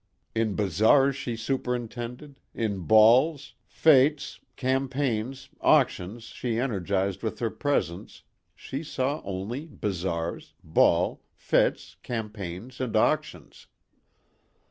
In bazaars she superintended, in balls, fêtes, campaigns, auctions she energized with her presence, she saw only bazaars, balls, fêtes, campaigns and auctions.